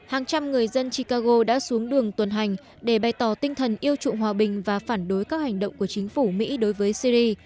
hàng trăm người dân chicago đã xuống đường tuần hành để bày tỏ tinh thần yêu trụng hòa bình và phản đối các hành động của chính phủ mỹ đối với syri